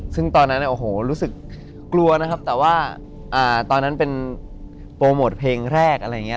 ซึ่งตอนนั้นโอ้โหรู้สึกกลัวนะครับแต่ว่าตอนนั้นเป็นโปรโมทเพลงแรกอะไรอย่างนี้